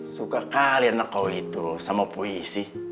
suka kali anak kau itu sama puisi